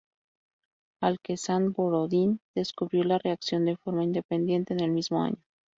Aleksandr Borodín descubrió la reacción de forma independiente en el mismo año.